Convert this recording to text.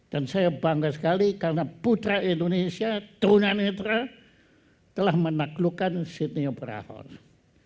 dan saya bangga sekali karena putra indonesia tuna netra telah menaklukkan sydney opera house